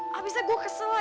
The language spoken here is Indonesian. ya abisnya gue kesel lah